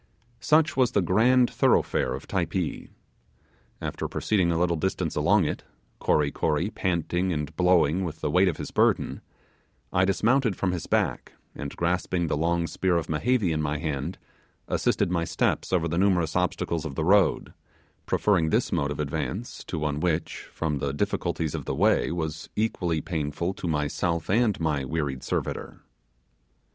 Such was the grand thoroughfare of Typee. After proceeding a little distance along it Kory Kory panting and blowing with the weight of his burden I dismounted from his back, and grasping the long spear of Mehevi in my hand, assisted my steps over the numerous obstacles of the road; preferring this mode of advance to one which, from the difficulties of the way, was equally painful to myself and my wearied servitor.